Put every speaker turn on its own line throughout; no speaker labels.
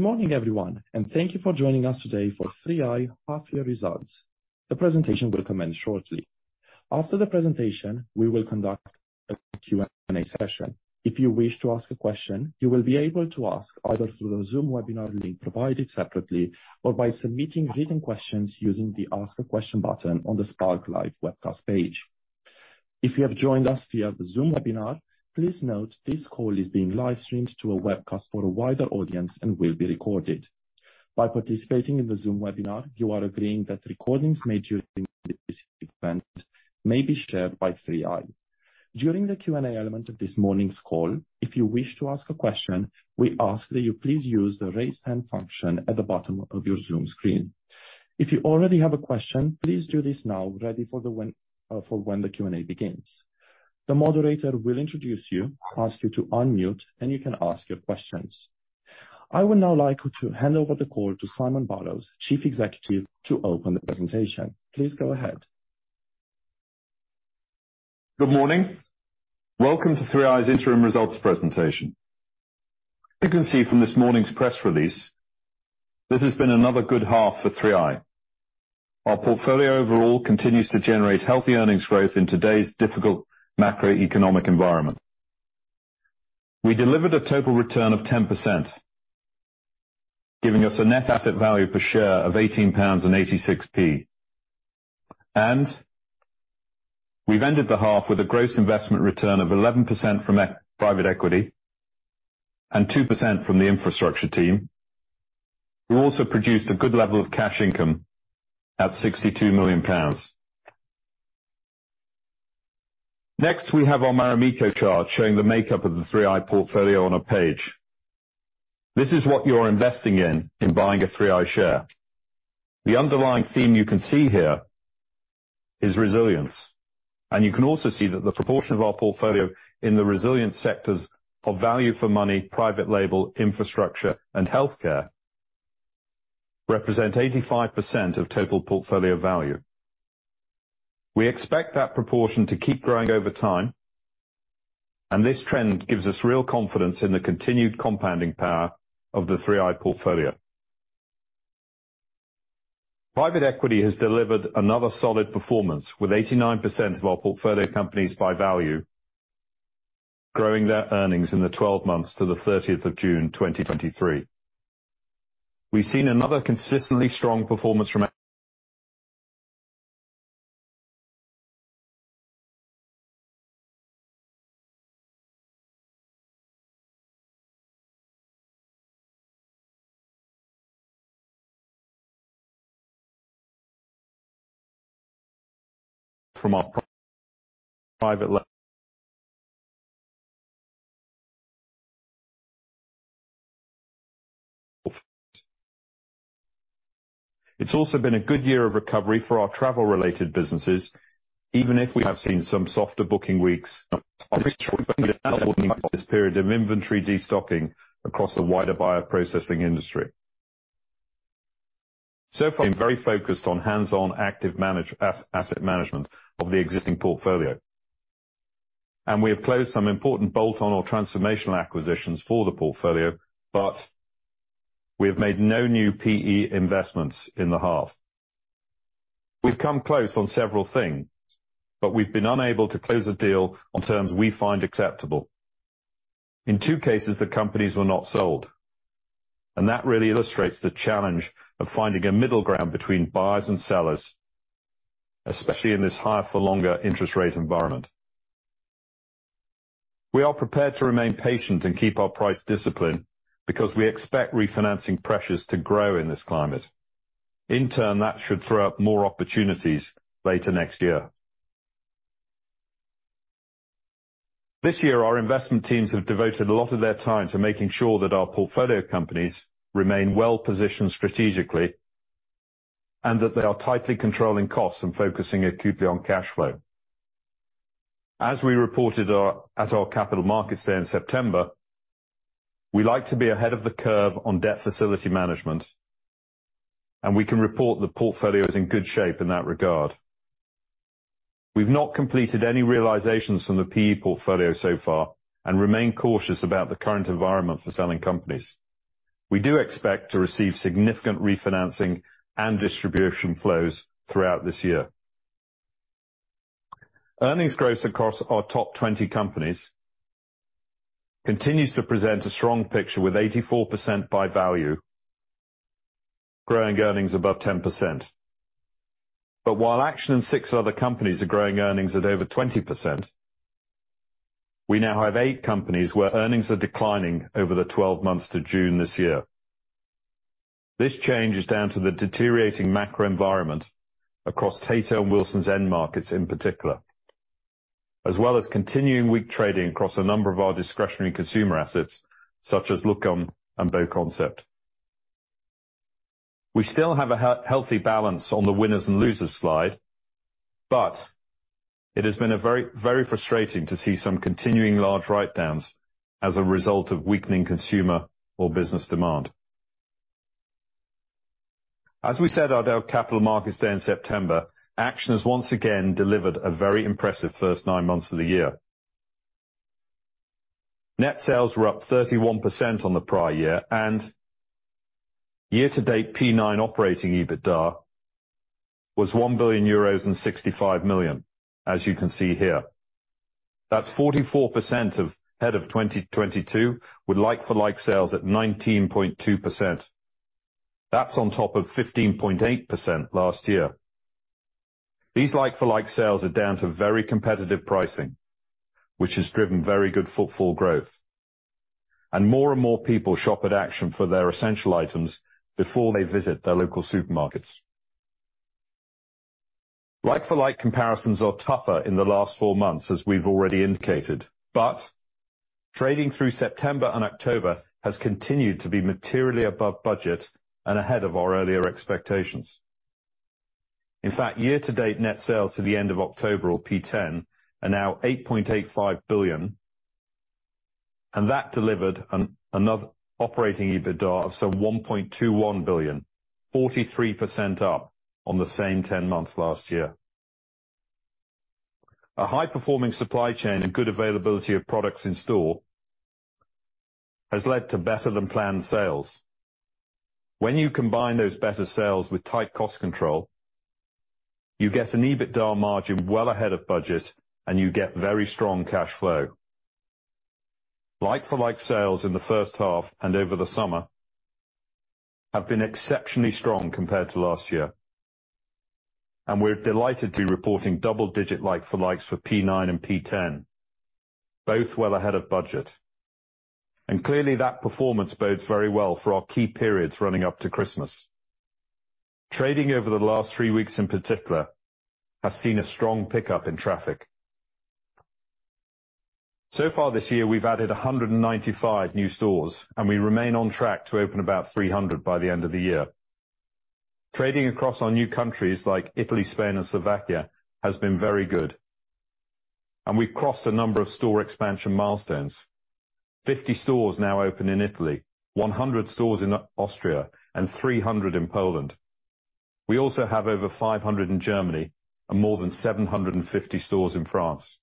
Good morning, everyone, and thank you for joining us today for 3i half-year results. The presentation will commence shortly. After the presentation, we will conduct a Q&A session. If you wish to ask a question, you will be able to ask either through the Zoom webinar link provided separately or by submitting written questions using the Ask a Question button on the SparkLive Webcast page. If you have joined us via the Zoom webinar, please note this call is being live-streamed to a webcast for a wider audience and will be recorded. By participating in the Zoom webinar, you are agreeing that recordings made during this event may be shared by 3i. During the Q&A element of this morning's call, if you wish to ask a question, we ask that you please use the Raise Hand function at the bottom of your Zoom screen. If you already have a question, please do this now, ready for when the Q&A begins. The moderator will introduce you, ask you to unmute, and you can ask your questions. I would now like to hand over the call to Simon Borrows, Chief Executive, to open the presentation. Please go ahead.
Good morning. Welcome to 3i's interim results presentation. You can see from this morning's press release, this has been another good half for 3i. Our portfolio overall continues to generate healthy earnings growth in today's difficult macroeconomic environment. We delivered a total return of 10%, giving us a net asset value per share of 18.86 pounds. We've ended the half with a gross investment return of 11% from 3i private equity and 2% from the infrastructure team. We also produced a good level of cash income at 62 million pounds. Next, we have our Marimekko chart showing the makeup of the 3i portfolio on a page. This is what you're investing in, in buying a 3i share. The underlying theme you can see here is resilience, and you can also see that the proportion of our portfolio in the resilient sectors of value for money, private label, infrastructure, and healthcare represent 85% of total portfolio value. We expect that proportion to keep growing over time, and this trend gives us real confidence in the continued compounding power of the 3i portfolio. Private equity has delivered another solid performance, with 89% of our portfolio companies by value growing their earnings in the 12 months to the 30th of June, 2023. We've seen another consistently strong performance. It's also been a good year of recovery for our travel-related businesses, even if we have seen some softer booking weeks. This period of inventory de-stocking across the wider bioprocessing industry. So far, we're very focused on hands-on active management of the existing portfolio, and we have closed some important bolt-on or transformational acquisitions for the portfolio, but we have made no new PE investments in the half. We've come close on several things, but we've been unable to close a deal on terms we find acceptable. In two cases, the companies were not sold, and that really illustrates the challenge of finding a middle ground between buyers and sellers, especially in this higher for longer interest rate environment. We are prepared to remain patient and keep our price discipline because we expect refinancing pressures to grow in this climate. In turn, that should throw up more opportunities later next year. This year, our investment teams have devoted a lot of their time to making sure that our portfolio companies remain well-positioned strategically, and that they are tightly controlling costs and focusing acutely on cash flow. As we reported at our Capital Markets Day in September, we like to be ahead of the curve on debt facility management, and we can report the portfolio is in good shape in that regard. We've not completed any realizations from the PE portfolio so far and remain cautious about the current environment for selling companies. We do expect to receive significant refinancing and distribution flows throughout this year. Earnings growth, across our top 20 companies, continues to present a strong picture, with 84% by value, growing earnings above 10%. But while Action and six other companies are growing earnings at over 20%, we now have eight companies where earnings are declining over the 12 months to June this year. This change is down to the deteriorating macro environment across Tato and Wilson's end markets in particular, as well as continuing weak trading across a number of our discretionary consumer assets, such as Luqom and BoConcept. We still have a healthy balance on the winners and losers slide, but it has been a very, very frustrating to see some continuing large write-downs as a result of weakening consumer or business demand.... As we said at our capital markets day in September, Action has once again delivered a very impressive first nine months of the year. Net sales were up 31% on the prior year, and year-to-date P9 operating EBITDA was 1.065 billion euros, as you can see here. That's 44% ahead of 2022, with like-for-like sales at 19.2%. That's on top of 15.8% last year. These like-for-like sales are down to very competitive pricing, which has driven very good footfall growth. And more and more people shop at Action for their essential items before they visit their local supermarkets. Like-for-like comparisons are tougher in the last four months, as we've already indicated, but trading through September and October has continued to be materially above budget and ahead of our earlier expectations. In fact, year-to-date net sales to the end of October, or P10, are now 8.85 billion, and that delivered another operating EBITDA of 1.21 billion, 43% up on the same ten months last year. A high-performing supply chain and good availability of products in store has led to better-than-planned sales. When you combine those better sales with tight cost control, you get an EBITDA margin well ahead of budget, and you get very strong cash flow. Like-for-like sales in the first half and over the summer have been exceptionally strong compared to last year, and we're delighted to be reporting double-digit like-for-likes for P9 and P10, both well ahead of budget. Clearly, that performance bodes very well for our key periods running up to Christmas. Trading over the last three weeks, in particular, has seen a strong pickup in traffic. So far this year, we've added 195 new stores, and we remain on track to open about 300 by the end of the year. Trading across our new countries, like Italy, Spain, and Slovakia, has been very good, and we've crossed a number of store expansion milestones. 50 stores now open in Italy, 100 stores in Austria, and 300 in Poland. We also have over 500 in Germany and more than 750 stores in France.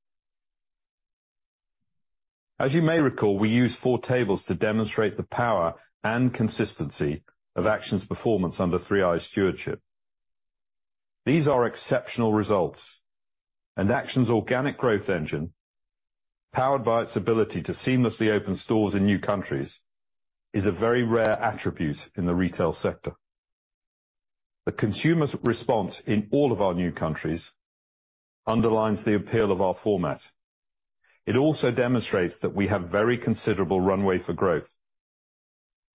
As you may recall, we use four tables to demonstrate the power and consistency of Action's performance under 3i stewardship. These are exceptional results, and Action's organic growth engine, powered by its ability to seamlessly open stores in new countries, is a very rare attribute in the retail sector. The consumer's response in all of our new countries underlines the appeal of our format. It also demonstrates that we have very considerable runway for growth.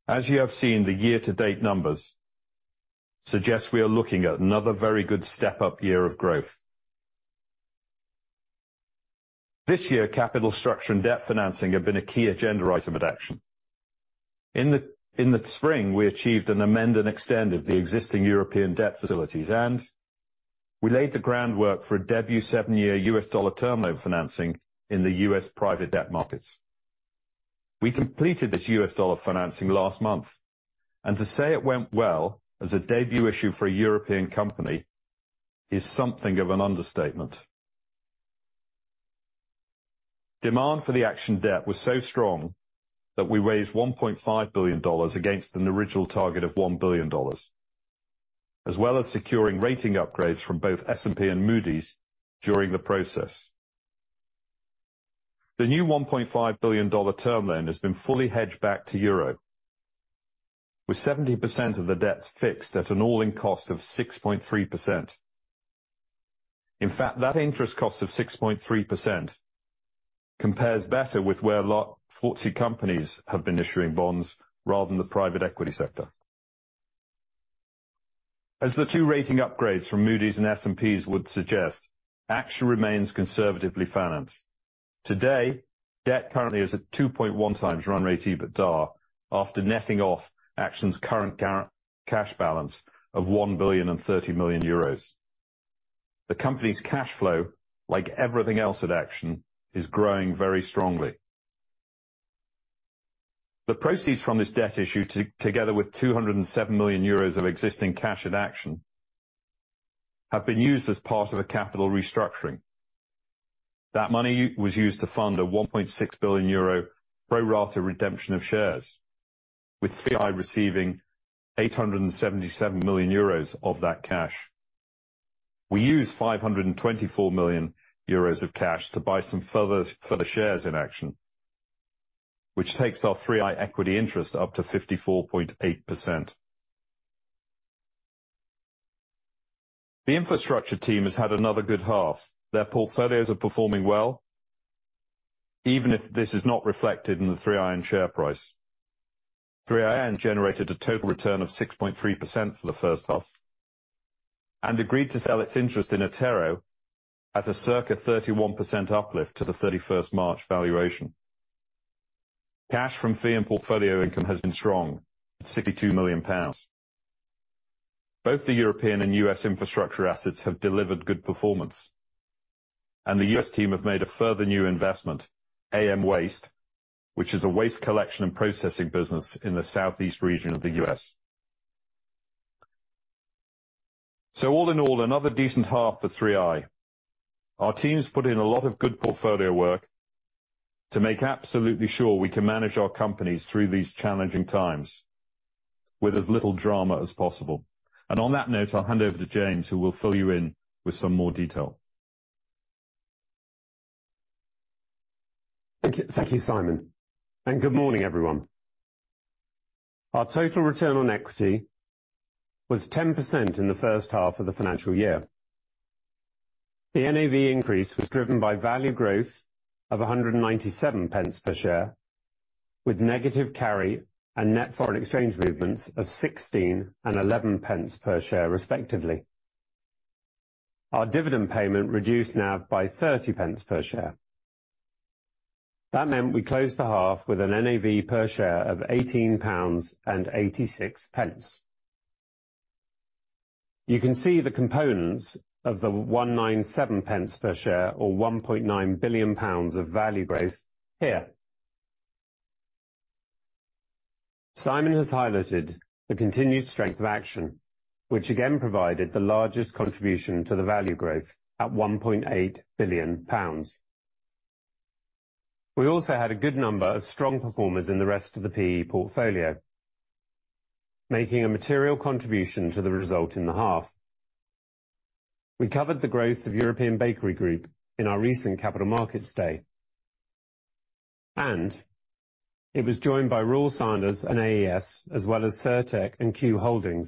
As you have seen, the year-to-date numbers suggest we are looking at another very good step-up year of growth. This year, capital structure and debt financing have been a key agenda item at Action. In the spring, we achieved an amend and extended the existing European debt facilities, and we laid the groundwork for a debut seven-year U.S. dollar term loan financing in the U.S. private debt markets. We completed this U.S. dollar financing last month, and to say it went well as a debut issue for a European company is something of an understatement. Demand for the Action debt was so strong that we raised $1.5 billion against an original target of $1 billion, as well as securing rating upgrades from both S&P and Moody's during the process. The new $1.5 billion term loan has been fully hedged back to euro, with 70% of the debt fixed at an all-in cost of 6.3%. In fact, that interest cost of 6.3% compares better with where a lot of 40 companies have been issuing bonds rather than the private equity sector. As the two rating upgrades from Moody's and S&P's would suggest, Action remains conservatively financed. Today, debt currently is at 2.1x run rate EBITDA after netting off Action's current gross cash balance of 1.03 billion. The company's cash flow, like everything else at Action, is growing very strongly. The proceeds from this debt issue, together with 207 million euros of existing cash in Action, have been used as part of a capital restructuring. That money was used to fund a 1.6 billion euro pro rata redemption of shares, with 3i receiving 877 million euros of that cash. We used 524 million euros of cash to buy some further shares in Action, which takes our 3i equity interest up to 54.8%. The infrastructure team has had another good half. Their portfolios are performing well, even if this is not reflected in the 3iN share price. 3iN generated a total return of 6.3% for the first half and agreed to sell its interest in Attero at a circa 31% uplift to the 31st March valuation. Cash from fee and portfolio income has been strong, 62 million pounds. Both the European and U.S. infrastructure assets have delivered good performance... and the U.S. team have made a further new investment, AmWaste, which is a waste collection and processing business in the southeast region of the U.S. So all in all, another decent half for 3i. Our teams put in a lot of good portfolio work to make absolutely sure we can manage our companies through these challenging times with as little drama as possible. And on that note, I'll hand over to James, who will fill you in with some more detail.
Thank you, Simon, and good morning, everyone. Our total return on equity was 10% in the first half of the financial year. The NAV increase was driven by value growth of 1.97 per share, with negative carry and net foreign exchange movements of 0.16 and 0.11 per share, respectively. Our dividend payment reduced NAV by 0.30 per share. That meant we closed the half with an NAV per share of GBP 18.86. You can see the components of the 197 pence per share, or 1.9 billion pounds of value growth here. Simon has highlighted the continued strength of Action, which again, provided the largest contribution to the value growth at 1.8 billion pounds. We also had a good number of strong performers in the rest of the PE portfolio, making a material contribution to the result in the half. We covered the growth of European Bakery Group in our recent capital markets day, and it was joined by Royal Sanders and AES, as well as Cirtec and Q Holding.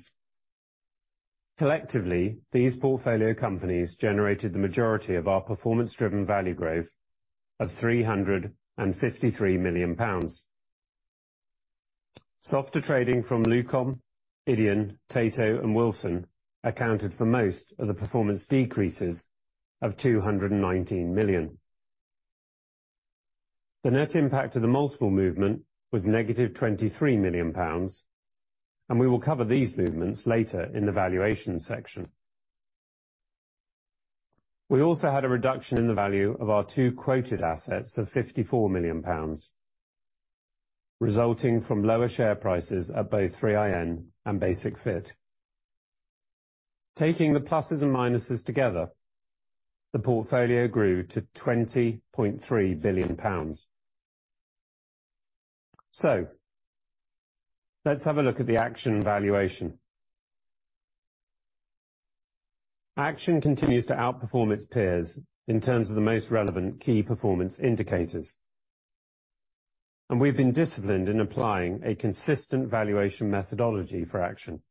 Collectively, these portfolio companies generated the majority of our performance-driven value growth of 353 million pounds. Softer trading from Luqom, YDEON, Tato, and Wilson accounted for most of the performance decreases of 219 million. The net impact of the multiple movement was negative 23 million pounds, and we will cover these movements later in the valuation section. We also had a reduction in the value of our two quoted assets of 54 million pounds, resulting from lower share prices at both 3iN and Basic-Fit. Taking the pluses and minuses together, the portfolio grew to 20.3 billion pounds. So let's have a look at the Action valuation. Action continues to outperform its peers in terms of the most relevant key performance indicators, and we've been disciplined in applying a consistent valuation methodology for Action.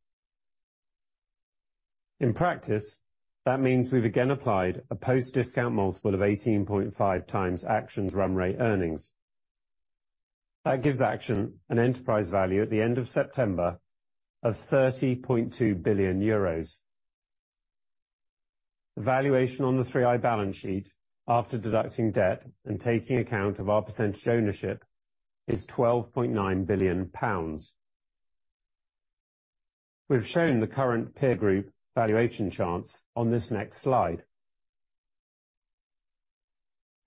In practice, that means we've again applied a post-discount multiple of 18.5x Action's run rate earnings. That gives Action an enterprise value at the end of September of 30.2 billion euros. The valuation on the 3i balance sheet, after deducting debt and taking account of our percentage ownership, is GBP 12.9 billion. We've shown the current peer group valuation charts on this next slide.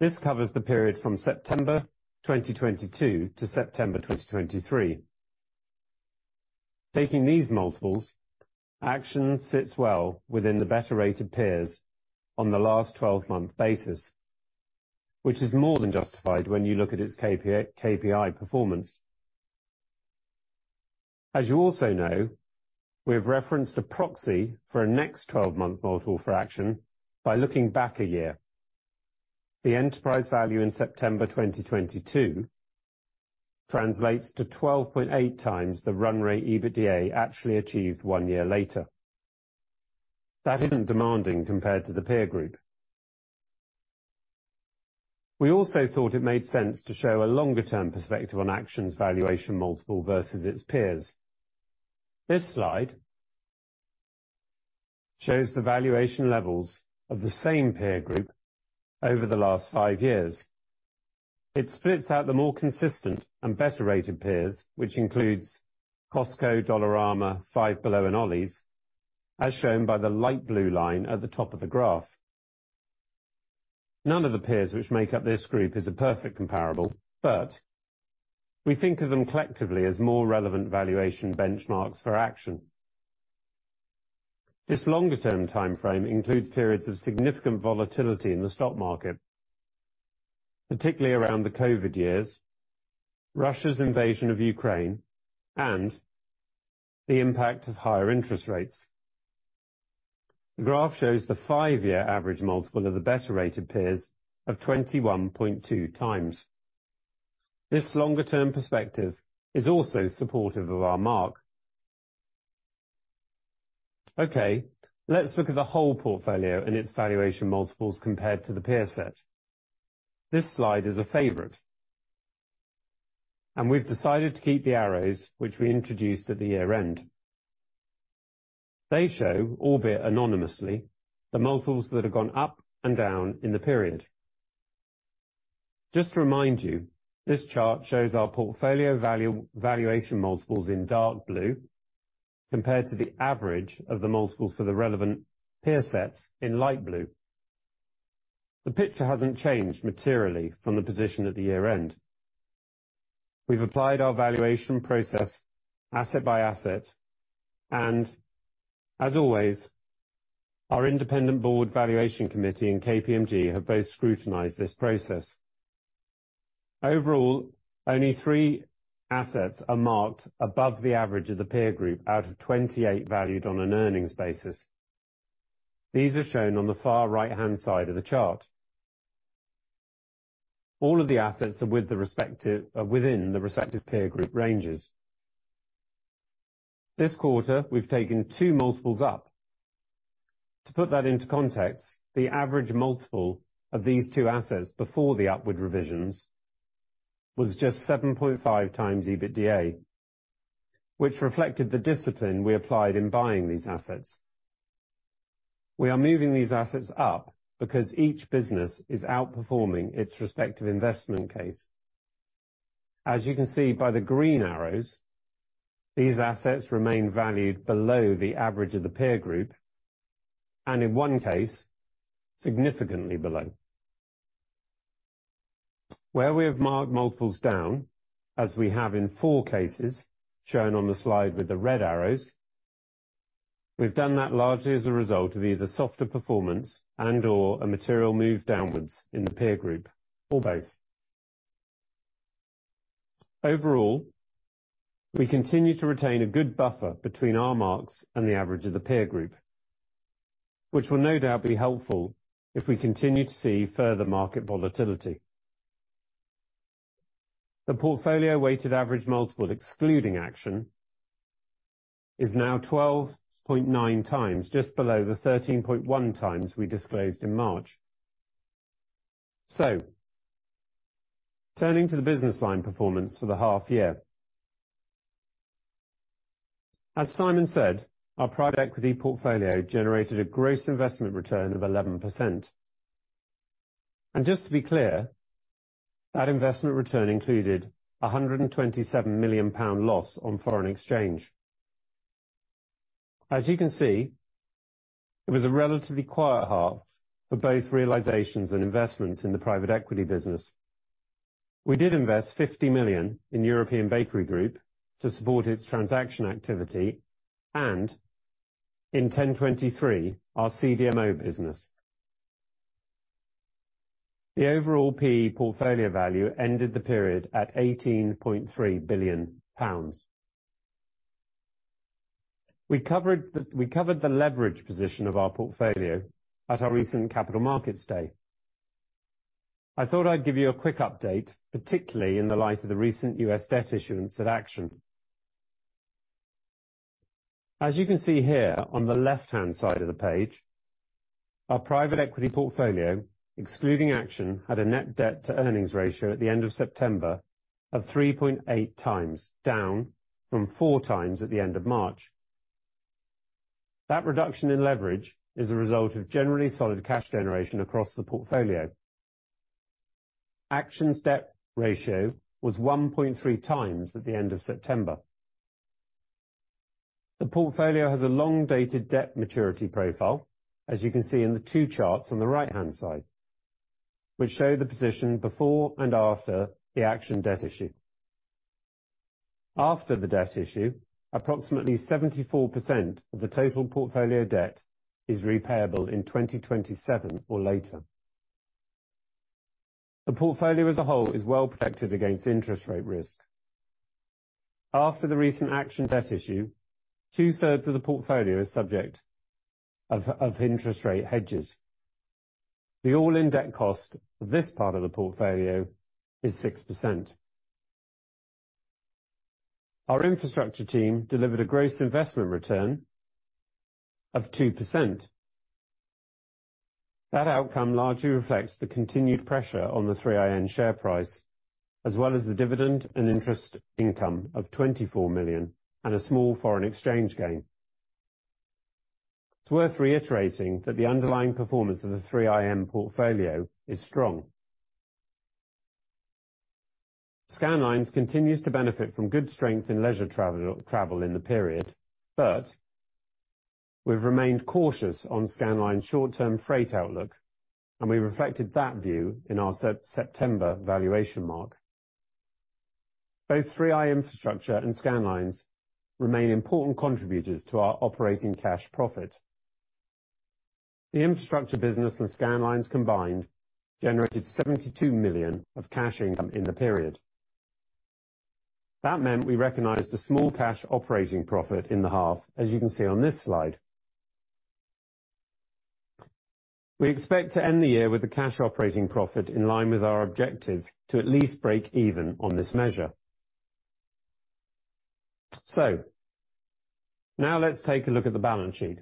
This covers the period from September 2022 to September 2023. Taking these multiples, Action sits well within the better rate of peers on the 12-month basis, which is more than justified when you look at its KPI, KPI performance. As you also know, we have referenced a proxy for a next 12-month multiple for Action by looking back a year. The enterprise value in September 2022 translates to 12.8x the run rate EBITDA actually achieved one year later. That isn't demanding compared to the peer group. We also thought it made sense to show a longer term perspective on Action's valuation multiple versus its peers. This slide shows the valuation levels of the same peer group over the last five years. It splits out the more consistent and better rated peers, which includes Costco, Dollarama, Five Below, and Ollie's, as shown by the light blue line at the top of the graph. None of the peers which make up this group is a perfect comparable, but we think of them collectively as more relevant valuation benchmarks for Action. This longer term timeframe includes periods of significant volatility in the stock market, particularly around the COVID years, Russia's invasion of Ukraine, and the impact of higher interest rates. The graph shows the five-year average multiple of the better-rated peers of 21.2x. This longer-term perspective is also supportive of our mark. Okay, let's look at the whole portfolio and its valuation multiples compared to the peer set. This slide is a favorite, and we've decided to keep the arrows, which we introduced at the year-end. They show, albeit anonymously, the multiples that have gone up and down in the period.... Just to remind you, this chart shows our portfolio valuation multiples in dark blue, compared to the average of the multiples for the relevant peer sets in light blue. The picture hasn't changed materially from the position at the year-end. We've applied our valuation process asset by asset, and as always, our independent board valuation committee and KPMG have both scrutinized this process. Overall, only three assets are marked above the average of the peer group, out of 28 valued on an earnings basis. These are shown on the far right-hand side of the chart. All of the assets are within the respective peer group ranges. This quarter, we've taken 2 multiples up. To put that into context, the average multiple of these two assets before the upward revisions was just 7.5x EBITDA, which reflected the discipline we applied in buying these assets. We are moving these assets up, because each business is outperforming its respective investment case. As you can see by the green arrows, these assets remain valued below the average of the peer group, and in one case, significantly below. Where we have marked multiples down, as we have in four cases, shown on the slide with the red arrows, we've done that largely as a result of either softer performance and/or a material move downwards in the peer group or both. Overall, we continue to retain a good buffer between our marks and the average of the peer group, which will no doubt be helpful if we continue to see further market volatility. The portfolio weighted average multiple, excluding Action, is now 12.9x, just below the 13.1x we disclosed in March. Turning to the business line performance for the half year. As Simon said, our private equity portfolio generated a gross investment return of 11%. Just to be clear, that investment return included a 127 million pound loss on foreign exchange. As you can see, it was a relatively quiet half for both realizations and investments in the private equity business. We did invest 50 million in European Bakery Group to support its transaction activity, and in ten23, our CDMO business. The overall PE portfolio value ended the period at GBP 18.3 billion. We covered the leverage position of our portfolio at our recent capital markets day. I thought I'd give you a quick update, particularly in the light of the recent U.S. debt issuance at Action. As you can see here, on the left-hand side of the page, our private equity portfolio, excluding Action, had a net debt to earnings ratio at the end of September of 3.8x, down from 4x at the end of March. That reduction in leverage is a result of generally solid cash generation across the portfolio. Action's debt ratio was 1.3x at the end of September. The portfolio has a long-dated debt maturity profile, as you can see in the two charts on the right-hand side, which show the position before and after the Action debt issue. After the debt issue, approximately 74% of the total portfolio debt is repayable in 2027 or later. The portfolio as a whole is well-protected against interest rate risk. After the recent Action debt issue, two-thirds of the portfolio is subject of interest rate hedges. The all-in debt cost for this part of the portfolio is 6%. Our infrastructure team delivered a gross investment return of 2%. That outcome largely reflects the continued pressure on the 3iN share price, as well as the dividend and interest income of 24 million and a small foreign exchange gain. It's worth reiterating that the underlying performance of the 3i Infrastructure portfolio is strong. Scandlines continues to benefit from good strength in leisure travel in the period, but we've remained cautious on Scandlines' short-term freight outlook, and we reflected that view in our September valuation mark. Both 3i Infrastructure and Scandlines remain important contributors to our operating cash profit. The infrastructure business and Scandlines combined generated 72 million of cash income in the period. That meant we recognized a small cash operating profit in the half, as you can see on this slide. We expect to end the year with a cash operating profit in line with our objective to at least break even on this measure. So now let's take a look at the balance sheet.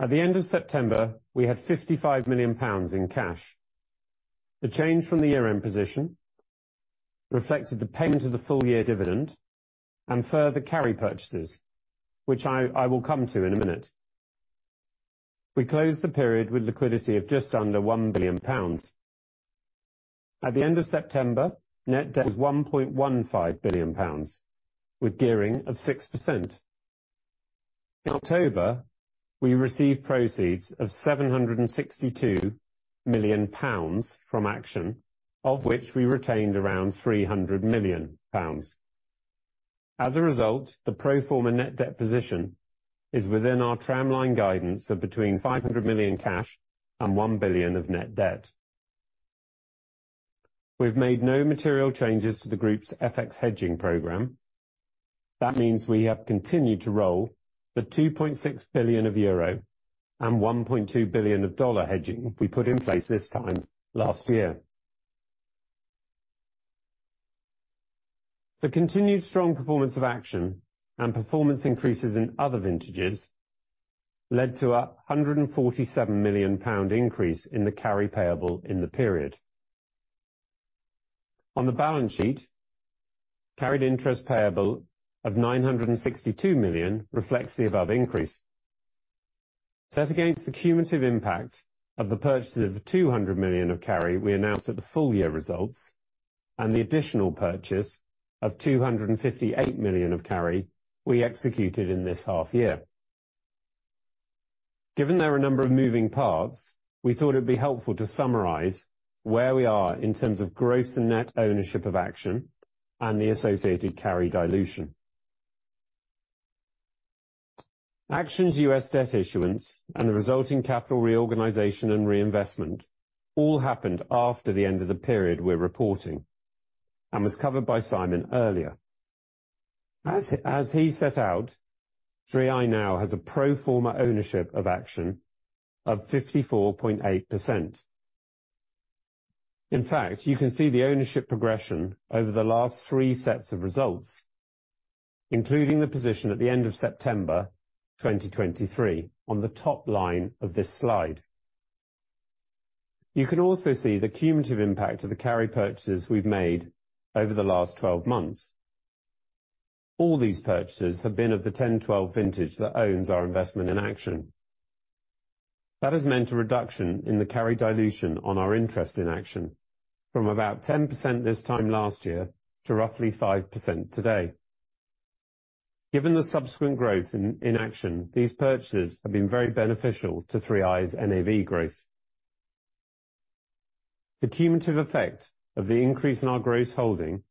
At the end of September, we had 55 million pounds in cash. The change from the year-end position reflected the payment of the full-year dividend and further carry purchases, which I will come to in a minute. We closed the period with liquidity of just under 1 billion pounds. At the end of September, net debt was 1.15 billion pounds, with gearing of 6%. In October, we received proceeds of 762 million pounds from Action, of which we retained around 300 million pounds. As a result, the pro forma net debt position is within our tramline guidance of between 500 million cash and 1 billion of net debt. We've made no material changes to the group's FX hedging program. That means we have continued to roll the 2.6 billion of euro and $1.2 billion of dollar hedging we put in place this time last year. The continued strong performance of Action and performance increases in other vintages led to a 147 million pound increase in the carry payable in the period. On the balance sheet, carried interest payable of 962 million reflects the above increase. Set against the cumulative impact of the purchase of 200 million of carry we announced at the full year results, and the additional purchase of 258 million of carry we executed in this half year. Given there are a number of moving parts, we thought it'd be helpful to summarize where we are in terms of gross and net ownership of Action and the associated carry dilution. Action's U.S. debt issuance and the resulting capital reorganization and reinvestment all happened after the end of the period we're reporting, and was covered by Simon earlier. As he set out, 3i now has a pro forma ownership of Action of 54.8%. In fact, you can see the ownership progression over the last three sets of results, including the position at the end of September 2023, on the top line of this slide. You can also see the cumulative impact of the carry purchases we've made over the last 12 months. All these purchases have been of the 10, 12 vintage that owns our investment in Action. That has meant a reduction in the carry dilution on our interest in Action from about 10% this time last year to roughly 5% today. Given the subsequent growth in Action, these purchases have been very beneficial to 3i's NAV growth. The cumulative effect of the increase in our gross holding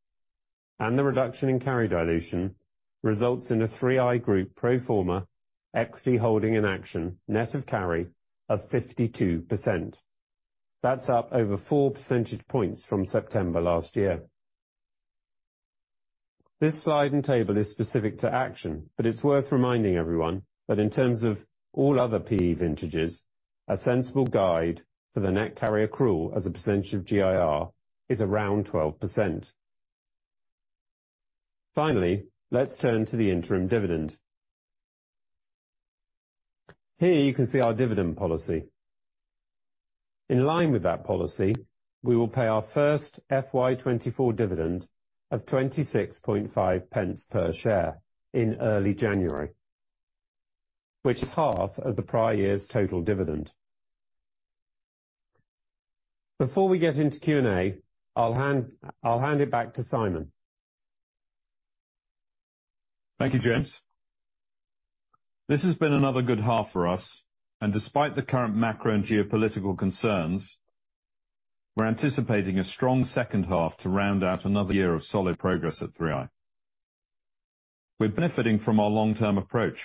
and the reduction in carry dilution results in a 3i Group pro forma equity holding in Action, net of carry, of 52%. That's up over four percentage points from September last year. This slide and table is specific to Action, but it's worth reminding everyone that in terms of all other PE vintages, a sensible guide for the net carry accrual as a percentage of GIR is around 12%. Finally, let's turn to the interim dividend. Here you can see our dividend policy. In line with that policy, we will pay our first FY 2024 dividend of 0.265 per share in early January, which is half of the prior year's total dividend. Before we get into Q&A, I'll hand it back to Simon.
Thank you, James. This has been another good half for us, and despite the current macro and geopolitical concerns, we're anticipating a strong second half to round out another year of solid progress at 3i. We're benefiting from our long-term approach,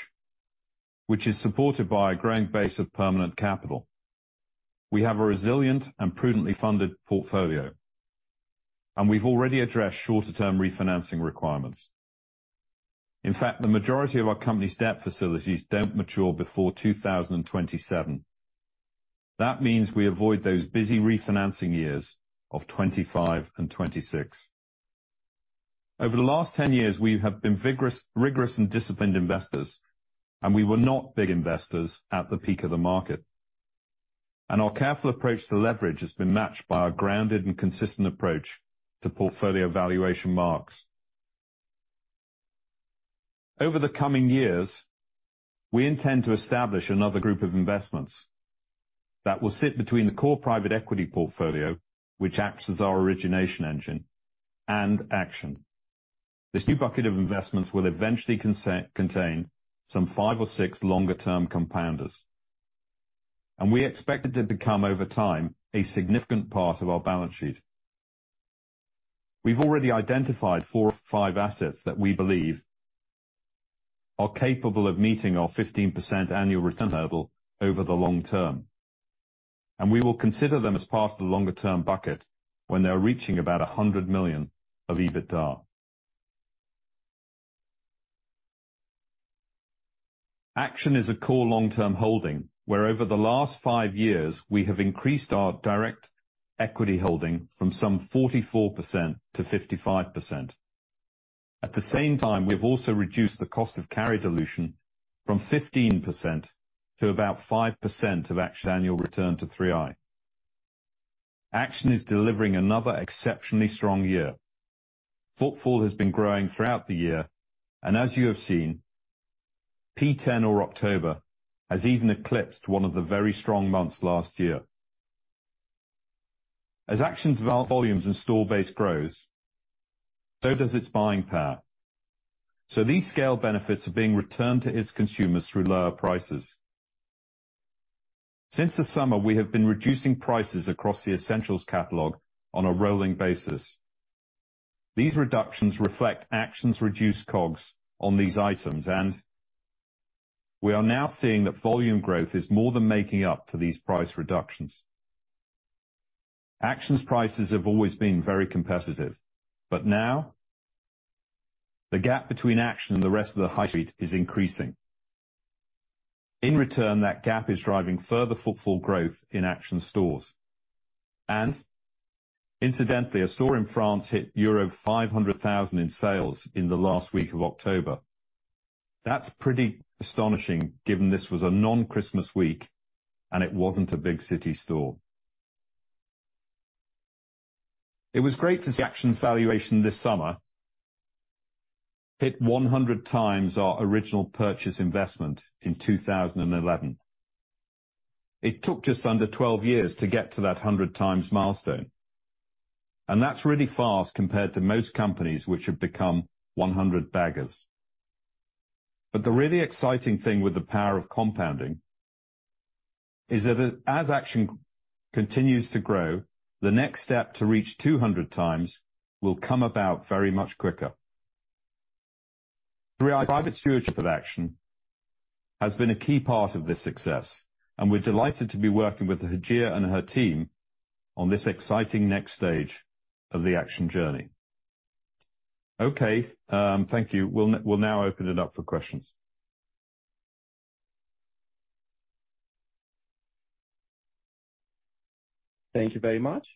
which is supported by a growing base of permanent capital. We have a resilient and prudently funded portfolio, and we've already addressed shorter-term refinancing requirements. In fact, the majority of our company's debt facilities don't mature before 2027. That means we avoid those busy refinancing years of 2025 and 2026. Over the last 10 years, we have been vigorous, rigorous, and disciplined investors, and we were not big investors at the peak of the market. Our careful approach to leverage has been matched by our grounded and consistent approach to portfolio valuation marks. Over the coming years, we intend to establish another group of investments that will sit between the core Private Equity portfolio, which acts as our origination engine and Action. This new bucket of investments will eventually contain some five or six longer term compounders, and we expect it to become, over time, a significant part of our balance sheet. We've already identified four or five assets that we believe are capable of meeting our 15% annual return level over the long term, and we will consider them as part of the longer-term bucket when they're reaching about 100 million of EBITDA. Action is a core long-term holding, where over the last five years we have increased our direct equity holding from some 44%-55%. At the same time, we've also reduced the cost of carry dilution from 15% to about 5% of actual annual return to 3i. Action is delivering another exceptionally strong year. Footfall has been growing throughout the year, and as you have seen, P10 or October has even eclipsed one of the very strong months last year. As Action's volumes and store base grows, so does its buying power. So these scale benefits are being returned to its consumers through lower prices. Since the summer, we have been reducing prices across the essentials catalog on a rolling basis. These reductions reflect Action's reduced COGS on these items, and we are now seeing that volume growth is more than making up for these price reductions. Action's prices have always been very competitive, but now the gap between Action and the rest of the high street is increasing. In return, that gap is driving further footfall growth in Action stores. Incidentally, a store in France hit euro 500,000 in sales in the last week of October. That's pretty astonishing, given this was a non-Christmas week and it wasn't a big city store. It was great to see Action's valuation this summer hit 100x our original purchase investment in 2011. It took just under 12 years to get to that 100x milestone, and that's really fast compared to most companies which have become 100 baggers. The really exciting thing with the power of compounding is that as Action continues to grow, the next step to reach 200x will come about very much quicker. 3i private stewardship of Action has been a key part of this success, and we're delighted to be working with Hajir and her team on this exciting next stage of the Action journey. Okay, thank you. We'll, we'll now open it up for questions.
Thank you very much.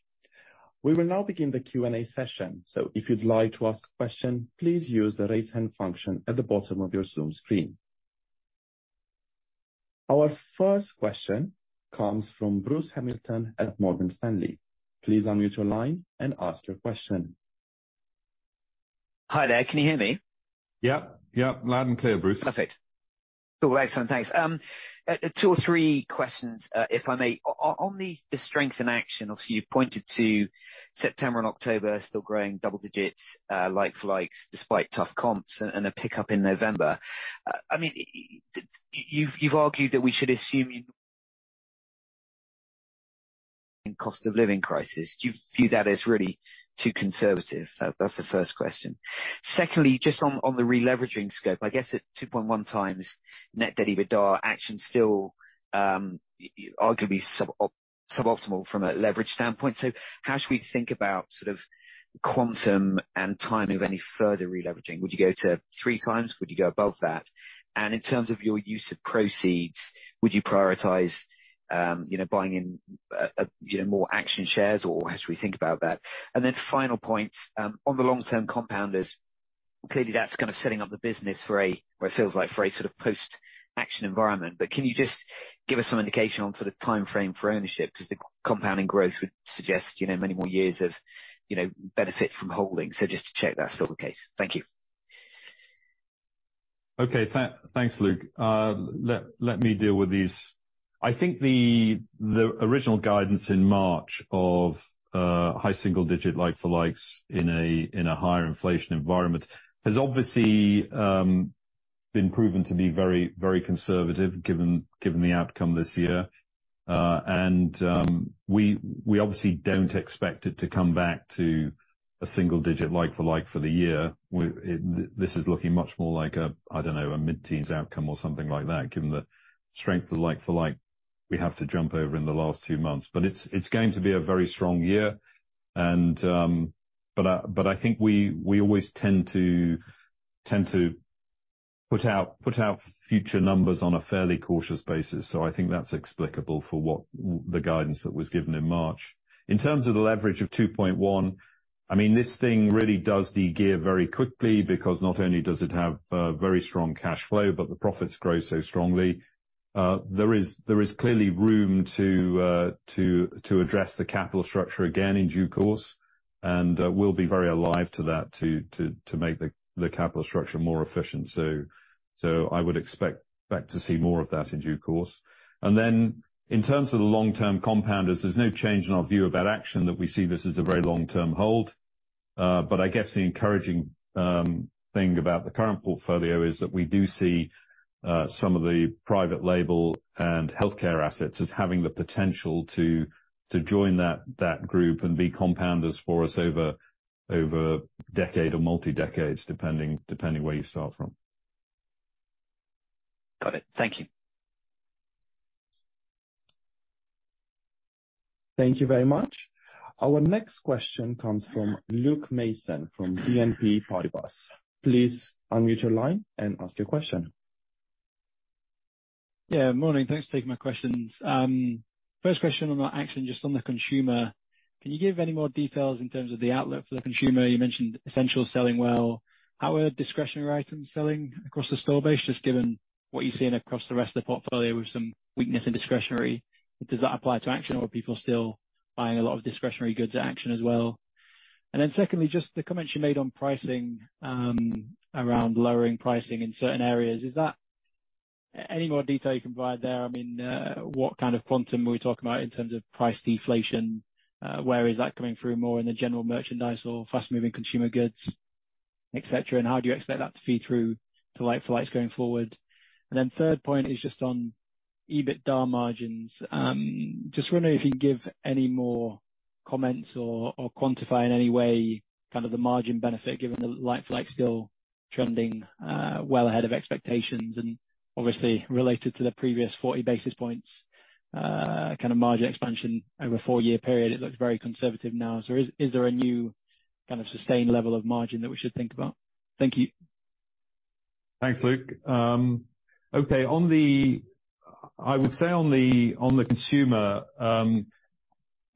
We will now begin the Q&A session. If you'd like to ask a question, please use the Raise Hand function at the bottom of your Zoom screen. Our first question comes from Bruce Hamilton at Morgan Stanley. Please unmute your line and ask your question.
Hi there. Can you hear me?
Yep. Yep, loud and clear, Bruce.
Perfect. Cool. Excellent. Thanks. Two or three questions, if I may. On the strength in Action, obviously, you've pointed to September and October still growing double digits, like for likes, despite tough comps and a pickup in November. I mean, you've, you've argued that we should assume cost of living crisis. Do you view that as really too conservative? That's the first question. Secondly, just on the re-leveraging scope, I guess at 2.1x net debt EBITDA, Action still arguably suboptimal from a leverage standpoint. So how should we think about sort of quantum and timing of any further re-leveraging? Would you go to 3x? Would you go above that? And in terms of your use of proceeds, would you prioritize, you know, buying in, you know, more Action shares, or how should we think about that? And then final point, on the long-term compounders, clearly, that's kind of setting up the business for a, or it feels like, for a sort of post-Action environment. But can you just give us some indication on sort of timeframe for ownership? Because the compounding growth would suggest, you know, many more years of, you know, benefit from holding. So just to check that's still the case. Thank you.
Okay, thanks, Bruce. Let me deal with these. I think the original guidance in March of high single-digit like-for-likes in a higher inflation environment has obviously been proven to be very, very conservative, given the outcome this year. And we obviously don't expect it to come back to a single-digit like-for-like for the year. This is looking much more like a, I don't know, a mid-teens outcome or something like that, given the strength of like-for-like we have to jump over in the last few months. But it's going to be a very strong year, and... But, but I think we, we always tend to, tend to put out, put out future numbers on a fairly cautious basis, so I think that's explicable for what the guidance that was given in March. In terms of the leverage of 2.1, I mean, this thing really does de-gear very quickly, because not only does it have, very strong cash flow, but the profits grow so strongly. There is, there is clearly room to, to, to address the capital structure again in due course, and, we'll be very alive to that, to, to, to make the, the capital structure more efficient. So, so I would expect back to see more of that in due course. And then, in terms of the long-term compounders, there's no change in our view about Action, that we see this as a very long-term hold. But I guess the encouraging thing about the current portfolio is that we do see some of the private label and healthcare assets as having the potential to join that group and be compounders for us over a decade or multi-decades, depending where you start from.
Got it. Thank you.
Thank you very much. Our next question comes from Luke Mason, from BNP Paribas. Please unmute your line and ask your question. ...
Yeah, morning. Thanks for taking my questions. First question on Action, just on the consumer, can you give any more details in terms of the outlook for the consumer? You mentioned essentials selling well. How are discretionary items selling across the store base, just given what you're seeing across the rest of the portfolio with some weakness in discretionary, does that apply to Action, or are people still buying a lot of discretionary goods at Action as well? And then secondly, just the comments you made on pricing, around lowering pricing in certain areas. Is that any more detail you can provide there? I mean, what kind of quantum are we talking about in terms of price deflation? Where is that coming through, more in the general merchandise or fast-moving consumer goods, et cetera, and how do you expect that to feed through to like-for-likes going forward? Then third point is just on EBITDA margins. Just wondering if you can give any more comments or quantify in any way kind of the margin benefit, given the like-for-like still trending well ahead of expectations and obviously related to the previous 40 basis points kind of margin expansion over a four year period. It looks very conservative now. So is there a new kind of sustained level of margin that we should think about? Thank you.
Thanks, Luke. Okay. On the consumer,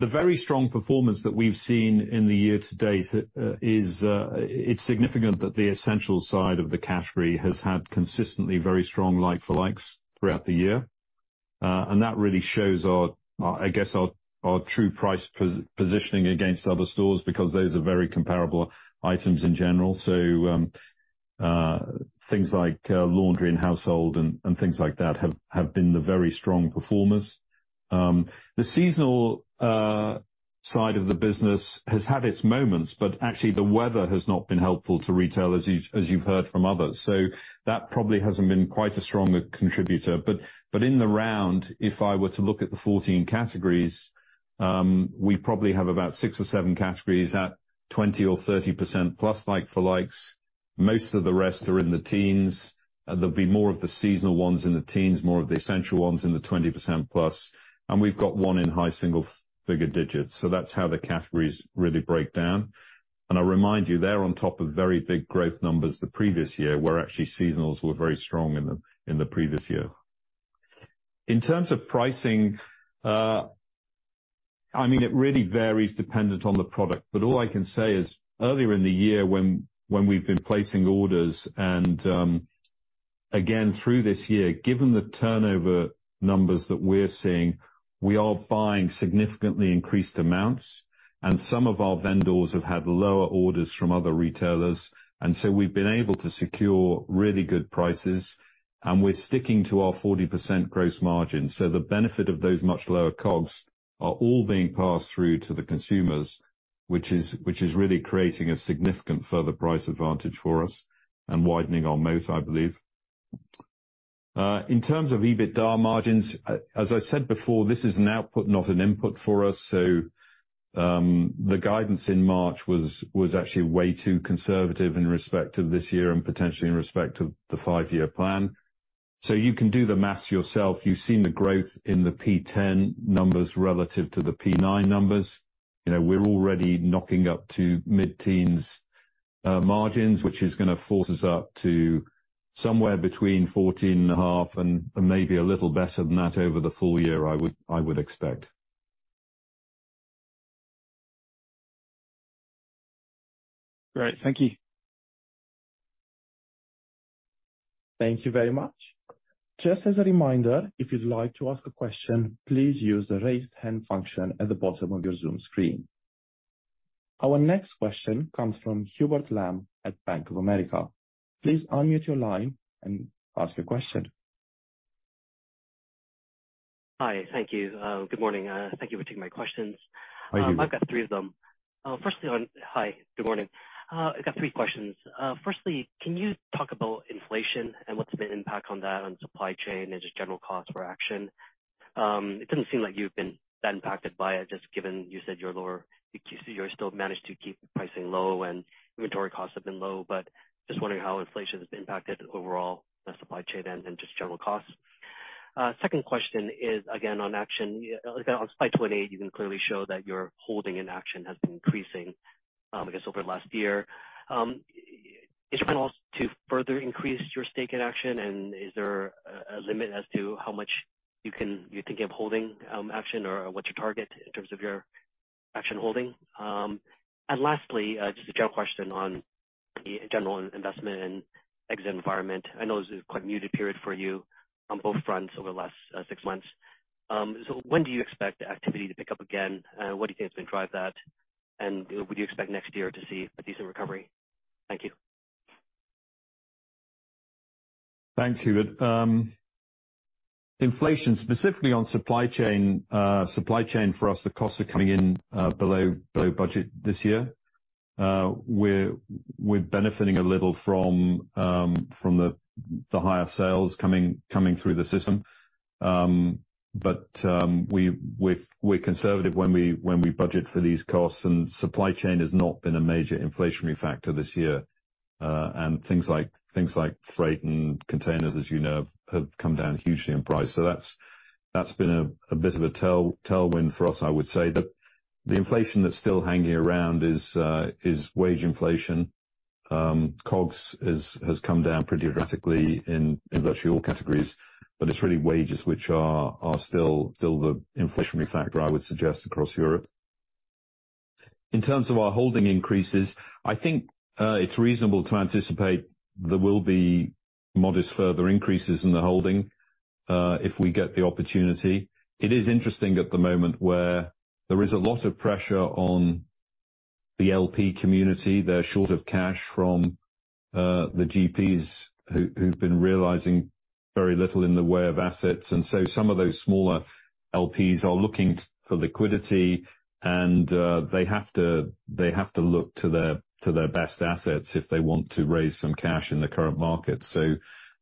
the very strong performance that we've seen in the year to date is significant that the essential side of the category has had consistently very strong like-for-likes throughout the year. And that really shows our, I guess, our true price positioning against other stores, because those are very comparable items in general. So, things like laundry and household and things like that have been the very strong performers. The seasonal side of the business has had its moments, but actually, the weather has not been helpful to retail, as you've heard from others. So that probably hasn't been quite as strong a contributor. But, but in the round, if I were to look at the 14 categories, we probably have about six or seven categories at 20% or 30%+ like-for-likes. Most of the rest are in the teens. There'll be more of the seasonal ones in the teens, more of the essential ones in the 20%+, and we've got one in high single figure digits. So that's how the categories really break down. And I remind you, they're on top of very big growth numbers the previous year, where actually seasonals were very strong in the previous year. In terms of pricing, I mean, it really varies dependent on the product, but all I can say is, earlier in the year, when we've been placing orders and, again, through this year, given the turnover numbers that we're seeing, we are buying significantly increased amounts, and some of our vendors have had lower orders from other retailers, and so we've been able to secure really good prices, and we're sticking to our 40% gross margin. So the benefit of those much lower COGS are all being passed through to the consumers, which is really creating a significant further price advantage for us and widening our moat, I believe. In terms of EBITDA margins, as I said before, this is an output, not an input for us, so the guidance in March was actually way too conservative in respect of this year and potentially in respect of the five-year plan. So you can do the math yourself. You've seen the growth in the P10 numbers relative to the P9 numbers. You know, we're already knocking up to mid-teens margins, which is gonna force us up to somewhere between 14.5 and maybe a little better than that over the full year, I would expect.
Great. Thank you.
Thank you very much. Just as a reminder, if you'd like to ask a question, please use the Raise Hand function at the bottom of your Zoom screen. Our next question comes from Hubert Lam at Bank of America. Please unmute your line and ask your question.
Hi. Thank you. Good morning. Thank you for taking my questions.
Hi, Hubert.
I've got three of them. Firstly on... Hi, good morning. I've got three questions. Firstly, can you talk about inflation and what's been the impact on that, on supply chain and just general costs for Action? It doesn't seem like you've been that impacted by it, just given you said you're lower, you still managed to keep pricing low and inventory costs have been low, but just wondering how inflation has been impacted overall, the supply chain and, and just general costs. Second question is, again, on Action. On slide 28, you can clearly show that your holding in Action has been increasing, I guess, over the last year. Is your plan also to further increase your stake in Action, and is there a limit as to how much you can, you're thinking of holding Action, or what's your target in terms of your Action holding? And lastly, just a general question on the general investment and exit environment. I know this is quite a muted period for you on both fronts over the last six months. So when do you expect the activity to pick up again? What do you think is going to drive that, and would you expect next year to see a decent recovery? Thank you.
Thanks, Hubert. Inflation, specifically on supply chain, supply chain for us, the costs are coming in below budget this year. We're benefiting a little from the higher sales coming through the system. But we're conservative when we budget for these costs, and supply chain has not been a major inflationary factor this year. And things like freight and containers, as you know, have come down hugely in price. So that's been a bit of a tailwind for us, I would say. The inflation that's still hanging around is wage inflation. COGS has come down pretty drastically in virtually all categories, but it's really wages which are still the inflationary factor, I would suggest, across Europe. In terms of our holding increases, I think, it's reasonable to anticipate there will be modest further increases in the holding, if we get the opportunity. It is interesting at the moment where there is a lot of pressure on the LP community. They're short of cash from the GPs who've been realizing very little in the way of assets, and so some of those smaller LPs are looking for liquidity, and they have to look to their best assets if they want to raise some cash in the current market. So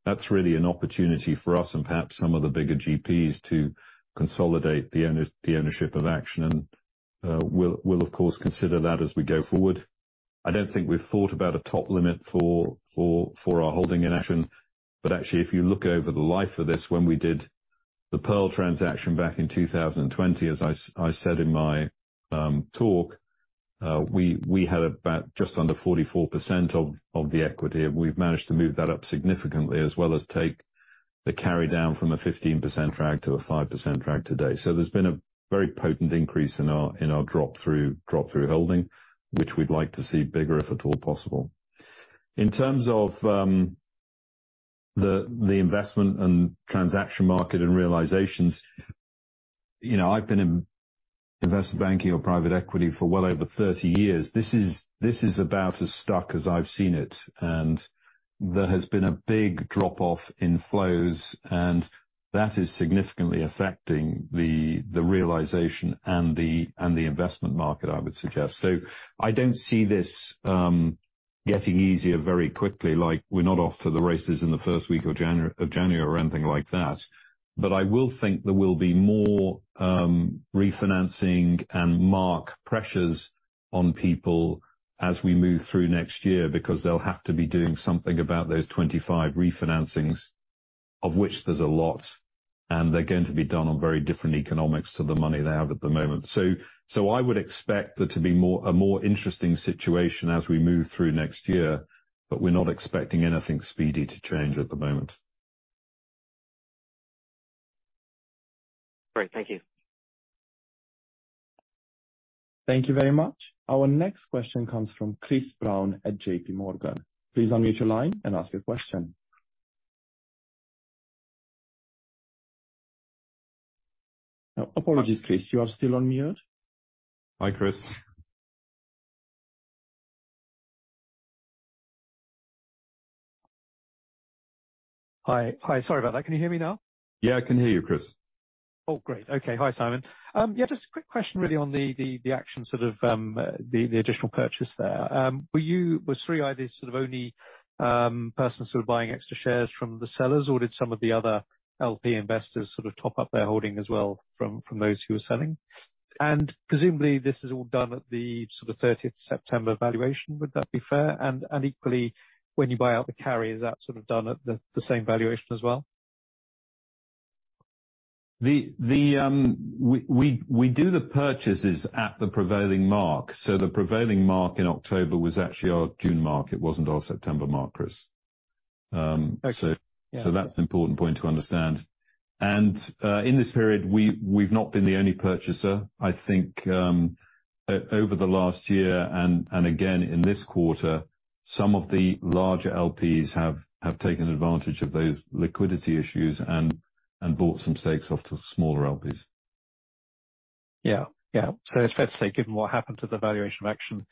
that's really an opportunity for us and perhaps some of the bigger GPs to consolidate the ownership of Action, and we'll, of course, consider that as we go forward. I don't think we've thought about a top limit for our holding in Action, but actually, if you look over the life of this, when we did the Pearl transaction back in 2020, as I said in my talk, we had about just under 44% of the equity. We've managed to move that up significantly, as well as take the carry down from a 15% track to a 5% track today. So there's been a very potent increase in our drop-through holding, which we'd like to see bigger, if at all possible. In terms of the investment and transaction market and realizations, you know, I've been in investment banking or private equity for well over 30 years. This is about as stuck as I've seen it, and there has been a big drop-off in flows, and that is significantly affecting the realization and the investment market, I would suggest. So I don't see this getting easier very quickly, like we're not off to the races in the first week of January or anything like that. But I will think there will be more refinancing and mark pressures on people as we move through next year, because they'll have to be doing something about those 25 refinancings, of which there's a lot, and they're going to be done on very different economics to the money they have at the moment. So, I would expect there to be a more interesting situation as we move through next year, but we're not expecting anything speedy to change at the moment.
Great. Thank you.
Thank you very much. Our next question comes from Chris Brown at J.P. Morgan. Please unmute your line and ask your question. Apologies, Chris, you are still on mute.
Hi, Chris.
Hi. Hi, sorry about that. Can you hear me now?
Yeah, I can hear you, Chris.
Oh, great. Okay. Hi, Simon. Yeah, just a quick question really on the Action, sort of, the additional purchase there. Were you, was 3i sort of only person sort of buying extra shares from the sellers, or did some of the other LP investors sort of top up their holding as well from those who were selling? And presumably, this is all done at the sort of thirtieth September valuation. Would that be fair? And equally, when you buy out the carry, is that sort of done at the same valuation as well?
We do the purchases at the prevailing mark. So the prevailing mark in October was actually our June mark. It wasn't our September mark, Chris.
Um, okay.
So that's an important point to understand. And in this period, we've not been the only purchaser. I think, over the last year and again, in this quarter, some of the larger LPs have taken advantage of those liquidity issues and bought some stakes off to smaller LPs.
Yeah. Yeah. So it's fair to say, given what happened to the valuation of Action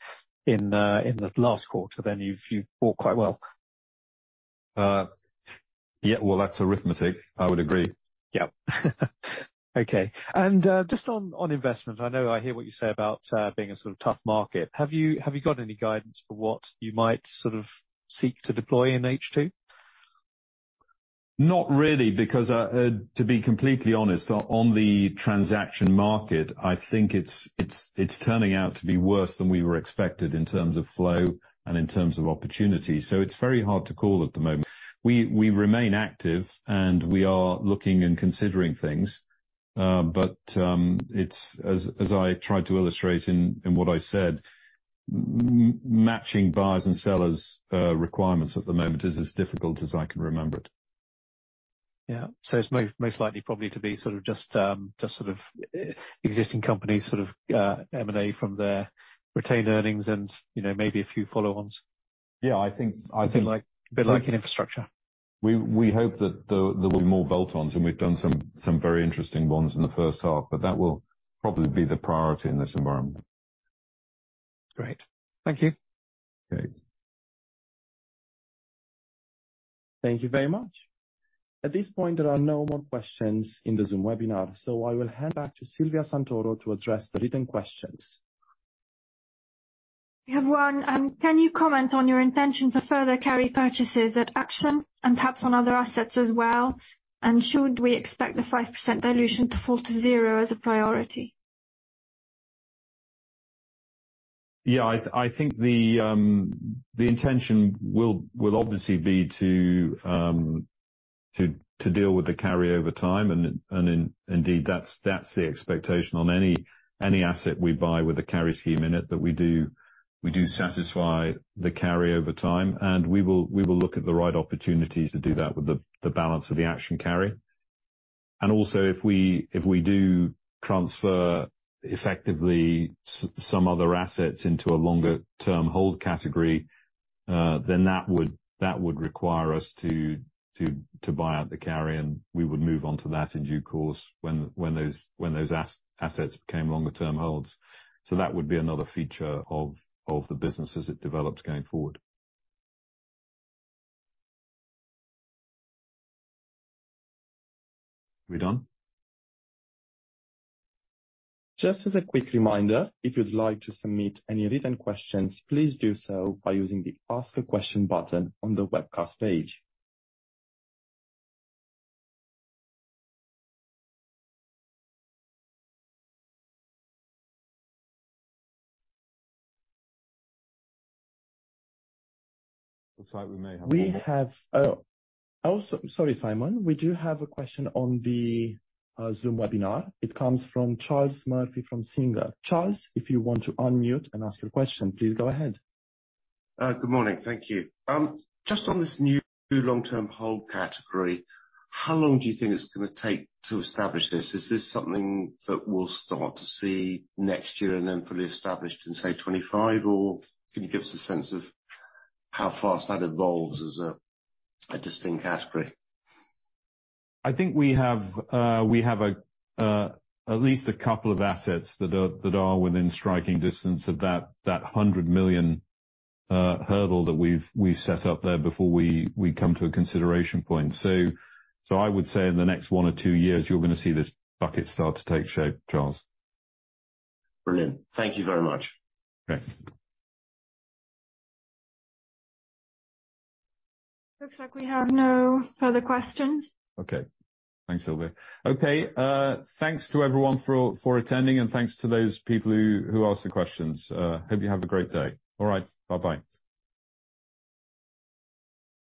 in the last quarter, then you've bought quite well.
Yeah, well, that's arithmetic. I would agree.
Yeah. Okay. And, just on, on investment, I know I hear what you say about, being a sort of tough market. Have you, have you got any guidance for what you might sort of seek to deploy in H2?
Not really, because, to be completely honest, on the transaction market, I think it's turning out to be worse than we expected in terms of flow and in terms of opportunities, so it's very hard to call at the moment. We remain active, and we are looking and considering things. But, it's, as I tried to illustrate in what I said, matching buyers and sellers requirements at the moment is as difficult as I can remember it.
Yeah. So it's most likely probably to be sort of just existing companies, sort of M&A from their retained earnings and, you know, maybe a few follow-ons.
Yeah, I think, I think-
Like, a bit like in Infrastructure.
We hope that there will be more bolt-ons, and we've done some very interesting ones in the first half, but that will probably be the priority in this environment.
Great. Thank you.
Great.
Thank you very much. At this point, there are no more questions in the Zoom webinar, so I will hand back to Silvia Santoro to address the written questions.
We have one. Can you comment on your intention to further carry purchases at Action and perhaps on other assets as well? And should we expect the 5% dilution to fall to zero as a priority?
Yeah, I think the intention will obviously be to deal with the carry over time, and indeed, that's the expectation on any asset we buy with a carry scheme in it, that we do satisfy the carry over time, and we will look at the right opportunities to do that with the balance of the Action carry. And also, if we do transfer effectively some other assets into a longer-term hold category, then that would require us to buy out the carry, and we would move on to that in due course when those assets became longer-term holds. So that would be another feature of the business as it develops going forward. Are we done?
Just as a quick reminder, if you'd like to submit any written questions, please do so by using the Ask a Question button on the webcast page.
Looks like we may have one more.
We have, oh, so sorry, Simon. We do have a question on the Zoom webinar. It comes from Charles Murphy, from Singer. Charles, if you want to unmute and ask your question, please go ahead.
Good morning. Thank you. Just on this new long-term hold category, how long do you think it's gonna take to establish this? Is this something that we'll start to see next year and then fully established in, say, 25? Or can you give us a sense of how fast that evolves as a distinct category?
I think we have, we have at least a couple of assets that are, that are within striking distance of that, that 100 million hurdle that we've, we've set up there before we, we come to a consideration point. So, so I would say in the next one or two years, you're gonna see this bucket start to take shape, Charles.
Brilliant. Thank you very much.
Okay.
Looks like we have no further questions.
Okay. Thanks, Silvia. Okay, thanks to everyone for attending, and thanks to those people who asked the questions. Hope you have a great day. All right, bye-bye.